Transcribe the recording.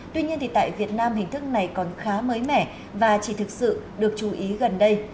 tuy nhiên tại việt nam hình thức này còn khá mới mẻ và chỉ thực sự được chú ý gần đây